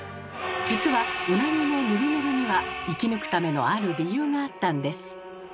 実はウナギのヌルヌルには生き抜くためのある理由があったんです。